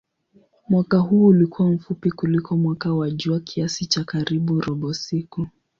Mwaka huo ulikuwa mfupi kuliko mwaka wa jua kiasi cha karibu robo siku.